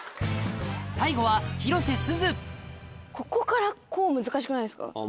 最後はここからこう難しくないですか。